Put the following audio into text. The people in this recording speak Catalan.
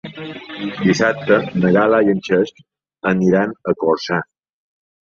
Dissabte na Gal·la i en Cesc iran a Corçà.